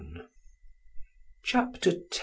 CHAPTER X.